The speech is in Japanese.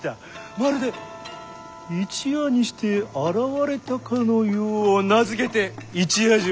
まるで一夜にして現れたかのよう名付けて一夜城よ。